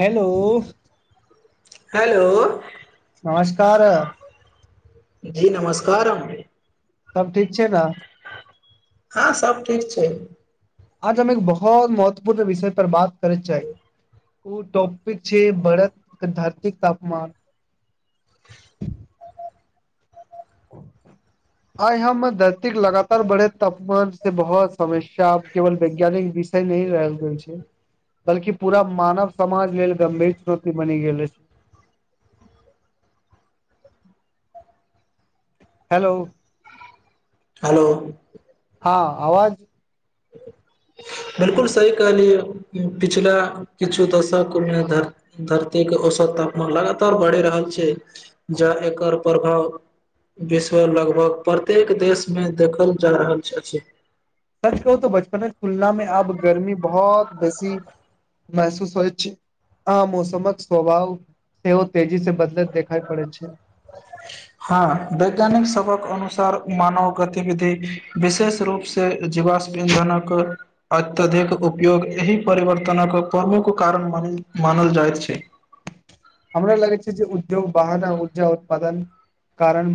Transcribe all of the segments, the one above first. Hello. Hello. नमस्कार! जी नमस्कार अी! सब ठीक छै ने? हँ सभ ठीक छै। आज हम एक बहुत महत्वपूर्ण विषय पर बात करय चाही, ओ टॉपिक छै, बड़द धरतिक तापमान। आ या मे धरतीक लगातार बढ़े तापमान से बहुत समस्या केवल वैज्ञानिक विषय नहिह रहल गेल छै, बल्कि पूरा मानव समाज लेल गं्भीर चुनौती बनि गेल छै। हेलो। हेलो। हँ आवाज बिलकुल सही कहलियै, पिछला किछु दशकमे धर धरतीके औसत तापमान लगातार बढ़ि रहल छै, ज एकर प्रभाव विश्व लगभग प्रत्येक देशमे देखल जा रहल अछि। सच कहू त बचपन तुलना मे अब गर्मी बहुत बेसी महसूस होइ, अमौसमक स्वभाव सेहोत। हँ, वैज्ञानिक सबक अनस अनुसार मानव गतिविधि विशेष रूप से, जीवाश इंधनक अत्यधिक उपयोग एहि परिवर्तनक प्रमुख कारण मान मानल जाइत छै। हमरा लगै छै, जे उद्योग वाहन ऊर्जा उत्पादन कारण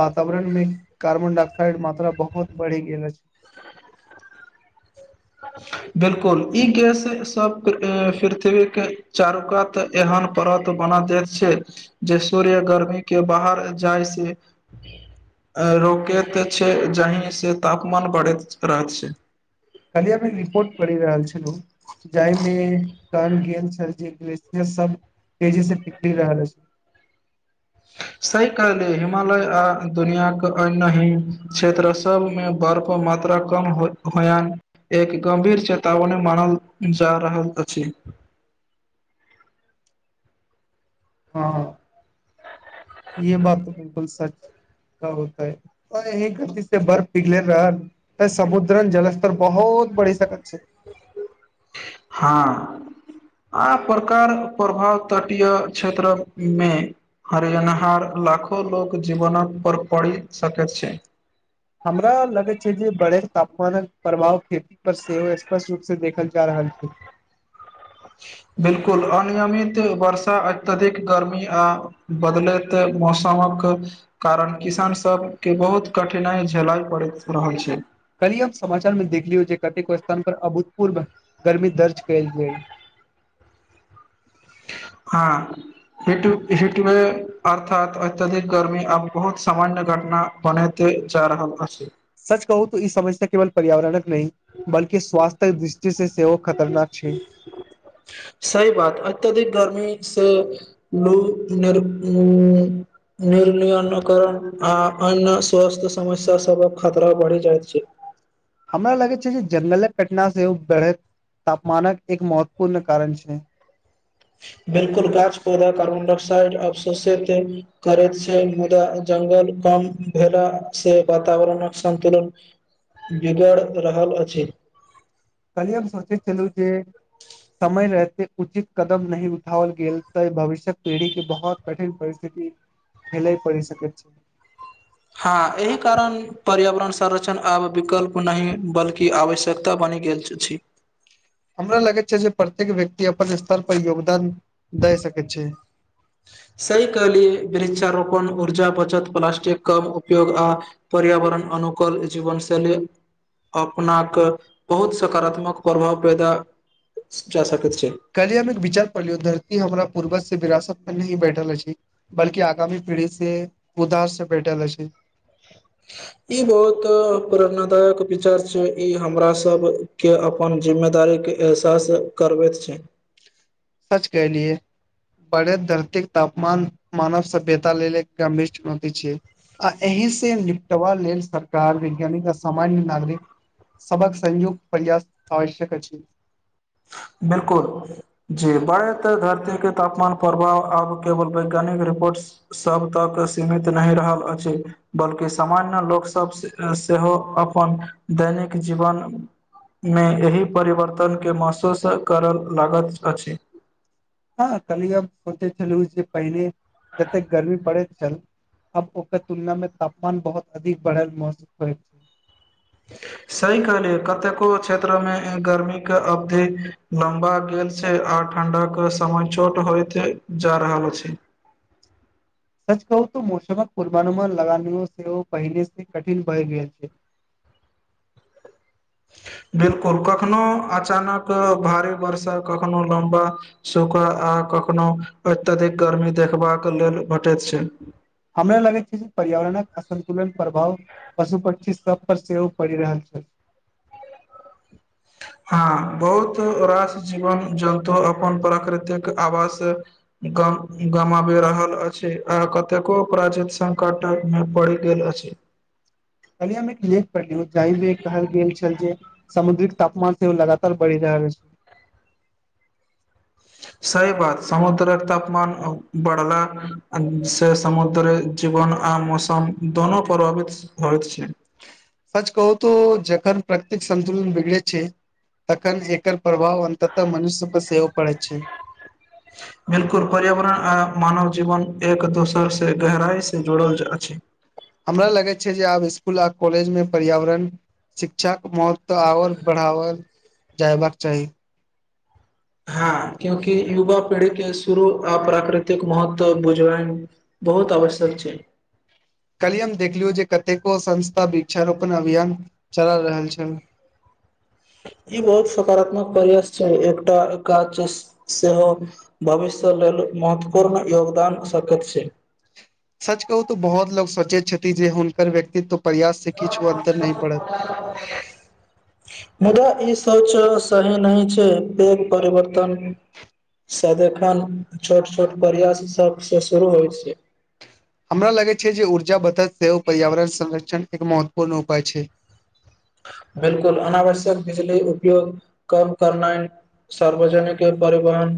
वातावरण मे कार्बन डाइऑक्साइड मात्रा बहुत बढ़ि गेल अछि। बिल्कुल, ई गैस सभ पृथ्वीक चारुकात एहन परत बना दैत छै, जे सूर्य गर्मीके बाहर जाइसँ रोकैत छै, जाहिसँ तापमान बढ़ैत रहैत छै। खाली अपने रिपोर्ट पढ़ि रहल छलू। जाहिमे कारण छल, जे्लिय सब तेजी से पगड़ि रहल छै। सहि काले, हिमालय आ दुनआाक अन्य ही क्षेत्र सभमे बर्फ मात्रा कम हो होयन, एक गम्भीर चेतावनी मानल जा रहल अछि। हँ, हँ। य बात बकुल सच का होता है। बर्फ पिघले रह। तऽ समुद्रन जलस्तर बहुत बड़ी सकत छै। हँ, आ प्रकार प्रभाव तटीय क्षेत्रमे हरिअणहारहार लाखो लोक जीवन पर पड़ सक छै। हमरा लगैत छै, जे बढ़ैत तापमानक प्रभाव खेती पर सेहो स्पष्ट रूपसँ देखल जा रहल छै। 'बिलकुल' अनियमित वर्षा अत्यधिक गर्मी आ बदलैत मौसमक कारण किसान सब के, बहुत कठिनाइ झेलइ पड़ैत रहल छै। कली हम समाचार मे देखलियौ जे, कतेको स्थान पर अभूतपूर्व गर्मी दर्ज कयल गेल। हँ। हेट हटमे। अर्थात अत्यधिक गर्मी आब बहुत सामान्य घटना बनते जा रहल अछि। सच कहू तू इ समझता केवल पर्यावरणक नहि बल्कि स्वास्थ्यक दृष्टि से सेहो खतरनाक छैय। सही बात अत्यधिक गर्मी से लू र्निर्नियनकरण आ अन्य स्वस्थ्य समस्या स खतरा बढ़ि जाइत छैय। हमरा लगै छैय जे जंगलक कटना से बढ़ैत तापमानक एक महत्वपूर्ण कारण छैय। बिलकुल गाछ पौधा कार्बन डाइऑक्साइड अवशोषित करैत छैय मुदा जंगल कम भेला से वातावरणक संन्तुलन बिगड़ रहल अछि। कलएम सोचे चलू छै। [unintelligible] समय रहहिते उचित कदम नहि उठाओल गेल तऽ, भविष्य्यक पीढ़ी के बहुत कठिन परिस्थिति झेलय पड़ि सकैत छै। संरचण आब विकल्प। ओनाहि बल्कि आवश्यक [unintelligible] हमरो लगैत छैय जे प्रत्येक व्यक्ति अपन स्तर पर योगदान दए सकैत छैय। सही कहलिए वृक्षारोपण ऊर्जा बचत प्लास्टिक कम उपयोग आ। पर्यावरण अनुकूल। जीवन शैली अपना के बहुत सकारात्मक प्रभाव पैदा जा सकैत छैय। कली हम एक विचार पढ़लियौ धरती हमरा पूर्वज से विरासत मे नहि भेट। तऽल छी बल्कि आगामी पीढ़ी से उदार से बैठल अछि। ई बहुत प्रेरणादायक विचार छैय इ हमरा सभके अपन जिम्मेदारीके एहसास करबैत छैय। सच कहलिए बढ़ैत धरतीक तापमान मानव सभ्यता लेल एक गंभीर चुनौती छिये आ एहि से निपटबा लेल सरकार वैज्ञानिक आ सामान्य नागरिक सबक संयुक्त प्रयास आवश्यक अछि। बिलकुल जी बढ़ैत धरतीके तापमान प्रभाव आब केवल वैज्ञानिक रिपोर्ट सभ तक सीमित नहि रहल अछि बल्कि सामान्य लोकसभ सेहो अपन दैनिक जीवनमे एहि परिवर्तनके मसू। तऽ सब कारल लागत अछि। हँ कनिय अब सोचे छलहु जे पहिने जते गर्मी बढ़ैत छल आब ओकर तुलना मे तापमान बहुत अधिक बढ़ल महसूस होइत। सही कहलियै कतेक कुरुक्षेत्र मे आयब क गर्मीके अवधि लम्बा गेल छैय आओर ठण्डाक समय चोट होइत जा रहल अछि। सच कहू त मौसमक पूर्वानुमान लगान सेव पहिने से कठिन भय गेल छैय। बिलकुल कखनो अचानक भारी वर्षा कखनो लम्बा सूखा आ कखनो अत्यधिक गर्मी देखबाक लेल भेटैत छैय। हमरा लगैत छैय जे पर्यावरणक असन्तुलन प्रभाव पशु पक्षी सब पर सेहो पड़ि रहल छैय। हँ बहुत रास जीवन जन्तु अपन प्रकृतिक आवास ग गमावे रहल अछि आ कतेको अपराजित संकटमे पड़ि गेल अछि। कहली मे एक लेख पढ़लियो जाहिमे कहल गेल छल जे। समुद्रिक तापमान सेहो लगातार बढ़ि रहल छैय। सही बात समुद्रक तापमान बढ़ला से समुद्र जीवन आ मौसम दोनो प्रभावित होइत छैय। सच कहू त जखन प्रकृतिक संन्तुलन बिगड़े छैय तखन एकर प्रभाव अन्ततः मनुष्य पर सेहोव पड़ै छैय। बिलकुल पर्यावरण आ मानव जीवन एक दोसर से गहराई से जुड़ल अछि। हमरा लगैत छैय जे आब स्कुल आ कॉलेजमे पर्यावरण शिक्षाक महत्व। तऽ आओर बढ़ावल। जयबाकबाक चाही। हँ क्यूंकि युवा पीढ़ी के शुरू आ प्राकृतिक महत्व बुझबइ बहुत आवश्यक छैय। काल्हि हम देखलियौ जे कतेको संस्था वृक्षारोपण अभियान चला रहल छैय। ई बहुत सकारात्मक प्रयास छै एकटाच सेहो भविष्य लेल महत्वपूर्ण योगदान सकैत छैय। सच कहूो त बहुत लोग सोचे छथि जे हुनकर व्यक्तित्व। प्रयास से किछु अन्तर नहि पड़त [unintelligible] मुदा ईस। सोच सही नहि छैय पैघ परिवर्तनसँ देखन छोट छोट प्रयास सभसँ शुरू होइ छैय। हमरा लगै छै जे ऊर्जा बत सेहो पर्यावरण संरक्षण एक महत्वपूर्ण उपाय छै। बिलकुल, अनावश्यक बिजली उपयोग कम करनाय सार्वजनिक परिवहन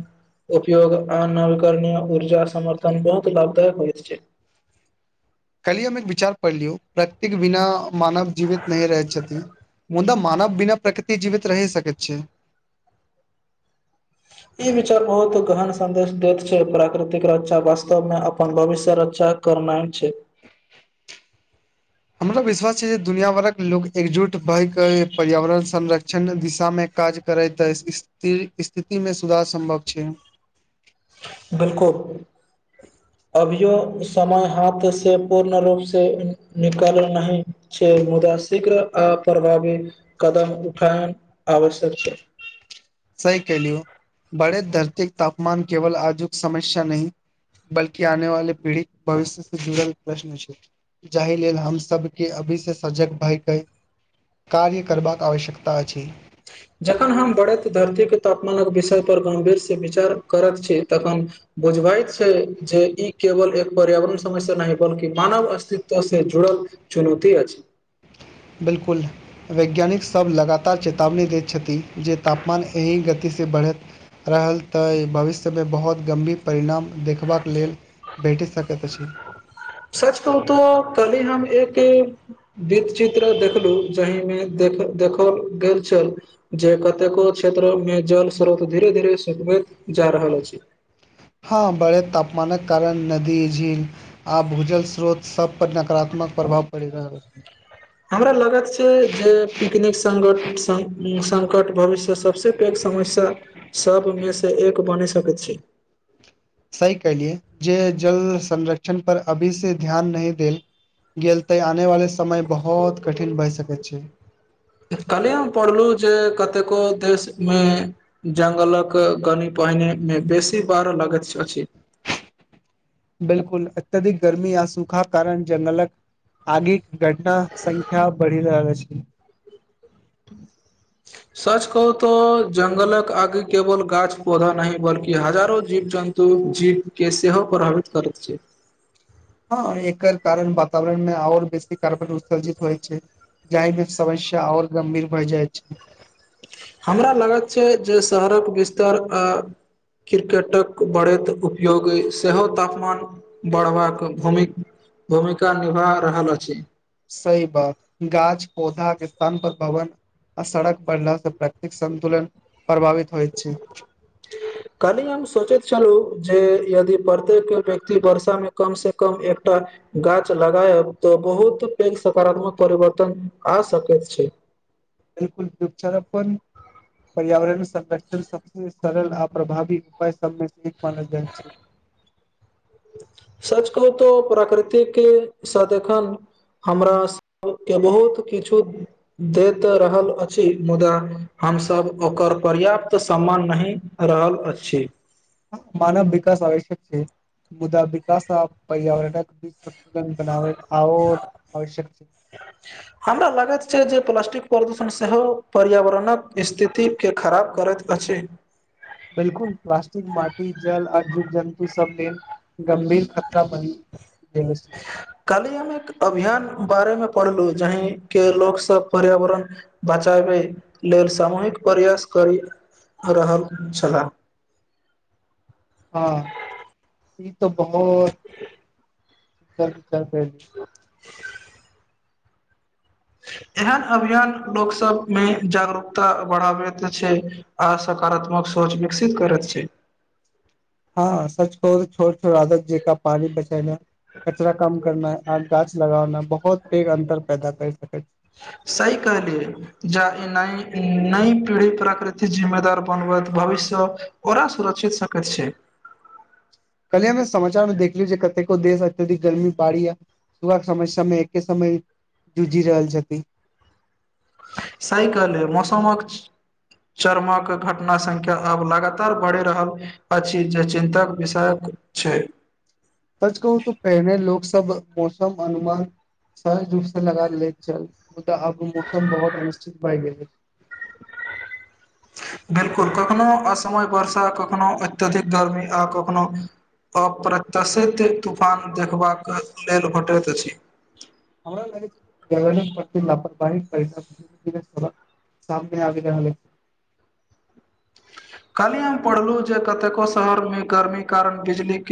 उपयोग आ नविकरणीय ऊर्जा समर्थन बहुत लाभदायक होइत छै। कली अम एक विचार पढ़लियौ प्रत्येक बिना मानव जीवित नहिं रहै छथि मुद मानव बिना प्रकृति जीवित रहि सके छैय। ई विचार बहुत गहन संदेश देैत छैय, प्राकृतिक रक्षा वास्तव मे अपन भविष्य रक्षा करनाइ छैय। हमरा विश्वास छैय जे दुआियाभरक लोको एकजुट भएके पर्यावरण संरक्षण दिशामे काज करै तऽ स्थिति स्थितिमे सुधार सम्भव छैय। बिलकुल अभियो समय हाथ से पूर्ण रूप से निकल नहि छैय मुदा शीघ्र आ प्रभावी कदम उठायन आवश्यक छैय। सही कलियौ बड़े धरते तापमान केवल आजुक समस्या नहि बल्कि आने वाले पीढ़ी भविष्य से जुड़ल प्रश्न छैय, जाहि लेल हम सबके अभी से सजग भय के कार्य करबाक आवश्यकता अछि। जखन हम बरैत धरती क तापमानक विषय पर गम्भीर से विचार करत छी तखन बुझबाइत छै जे ई केवल एक पर्यावरण समस्या नाहि बल्कि मानव अस्तित्व से जुड़ल चुनौती अछि। बिल्कुल, वैज्ञानिक सब लगातार चेतावनी दैत छथि जे तापमान एहि गति से बढ़ैत रहल तऽ ई भविष्य में बहुत गम्भीर परिणाम देख सच कहू तो कलि हम एक वृत चित्र देखलू जहि मे देख देखल गेल छल जे कतेको क्षेत्र मे जल स्रोत धीरे धीरे सुकबैत जा रहल अछि। हँ, बढैत तापमानक कारण नदी, झील आ भूजल स्रोत सब पर नकरात्मक प्रभाव परि रहल हमरा लगैत से-जे पिकनिक संग सं- सङ्कट भविष्य सबसे पैघ समस्या सपमें से एक बनि सकैत छै। सही केअलियै जे जल संरक्षण पर अभी से ध्यान नहि देल गेल तै आने वाले स समय बहोत कठिन भए सक अछि। कलियै हम पढ़लौं जे कतेको देशमे जङ्गलक कनी पहिने में बेसी बाढ़ लगैत छ-अछि। बिलकुल, अत्यधिक गर्मी आ सूखा कारण जंगलक आगिक घटना संख्या बढ़ि रहल अछि। सच कहू तऽ जङ्गलक आगि केवल गाछ, पौधा नहि बल्कि हजारों जीव जन्तु जीवके सेहो प्रभावित करैत छै। ह, एकर कारण वातावरण मे आओर बेसी कारबन उत्सर्जित होइ छै जाहिमे समश्या आओर गंभीर भए जाइत छै। हमरा लागैत छै जे शहरक विस्तर आ क्रिकेटक बढ़ैत उपयोग अइ सेहो तापमान बढ़वाक भूमिक भूमिका निभा रहल अछि। सही बात, गाछ-पौधाक स्थान पर भवन आ सड़क बढ़ला स प्राकृतिक-सन्तुलन प्रभावित होइत छै। चलू जे यदि पर्त्येक व्यक्ति वर्षा मे कम-से-कम एकटा गाछ लगायब तऽ बहुत पैघ सकारात्मक परिवर्तन आ सकैत छै। - वृक्षारपन पर्यावरण संरक्षण सबसे सरल आ प्रभावी उपाय सबमें स इक पार्ल- जाइ छै। सच कहू तऽ प्रकृतिके साथ एखन हमरा सबके बहुत किछु दैत रहल अछि मुदा हम सब ओकर पर्याप्त सम्मान नहि रहल अछि। मानव विकास आवश्यक छै, मुदा विकास आब पर्यावरणक हिस् न बनाव आव आवश्यक छै। हमरा लागैत छै जे प्लास्टिक प्रदूषण सेहो पर्यावरणक स्थिति के खराब करैत अछि। बिलकुल, प्लास्टिक माटी, जल आ जीव-जन्तु सब लेल गम्भीर खतरा बनी गेल अछि कालि हम एक अभियान बारेमे पढ़लू जहिं के लोक सब पर्यावरण बचाबै लेल सामूहिक प्रयास करि रहल छलाह। हँ, ई त बहोत दर चलतै। [inaudible] एहन अभियान लोकसभमे जागरूकता बढ़ाबैत छै, आ सकारात्मक सोच विकसित करैत छै। हँ सच खो छोट त ज का पानी बचाना कचरा काम करना है। आ गाछ लगाना बहुत पेघ अंतर पैदा करि सकैत सही कहलिए, जा ई नई पीढ़ी प्राकृति जिम्मेदार बनबैत भविष्य ओरा सुरक्षित सकैत छै। कलि अमे समाचार मे देखलि जे कतेको देश अत्यधिक गर्मी पारैये -क समय- समय एके समय जूझि रहल छथि। साहीकले, मौसमक चरमक घटना सङ्ख्या आब लगातार बढ़ि रहल अछि, जे चिन्तक विषय छै। सच कहू तऽ, पहिने लोको सब मौसम अनुमान सहज रूप से लगा लैत छलल, मुदा अब मौसम बहुत अनिश्चित भए गेलै। 'बिलकुल' कखनो असमय वर्षा कखनो अत्यधिक गर्मी आ, कखनो अप्रत्यशित तूफान देखबाक लेल भेटैत अछि। हमरा लाहड़क सामने आगे। कल्हि हम पढ़लहुँ जे, कतेको शहरमे गर्मीक कारण बिजली